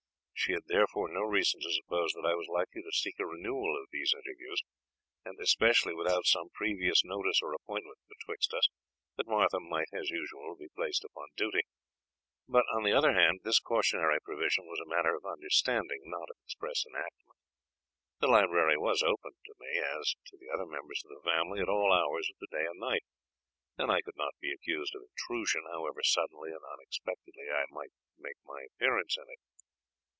She had therefore no reason to suppose that I was likely to seek a renewal of these interviews, and especially without some previous notice or appointment betwixt us, that Martha might, as usual, be placed upon duty; but, on the other hand, this cautionary provision was a matter of understanding, not of express enactment. The library was open to me, as to the other members of the family, at all hours of the day and night, and I could not be accused of intrusion, however suddenly and unexpectedly I might made my appearance in it.